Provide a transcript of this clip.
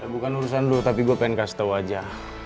bukan urusan lo tapi gue pengen kasih tau aja